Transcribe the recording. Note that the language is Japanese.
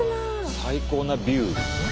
最高なビュー。